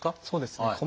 そうですね。